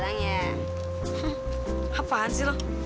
enggak abendin lu